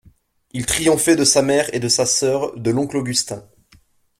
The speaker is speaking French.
Il triomphait de sa mère et de sa sœur, de l'oncle Augustin.